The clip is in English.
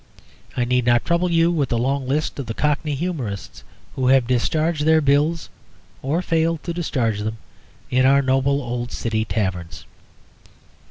I need not trouble you with the long list of the Cockney humourists who have discharged their bills (or failed to discharge them) in our noble old City taverns.